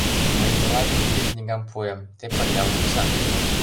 — Мый тылат тиде книгам пуэм, те пырля лудса.